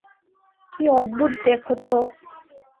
কি অদ্ভুত দেখ তো!